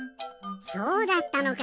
そうだったのか！